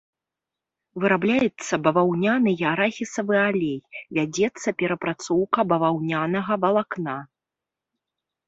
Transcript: Вырабляецца баваўняны і арахісавы алей, вядзецца перапрацоўка баваўнянага валакна.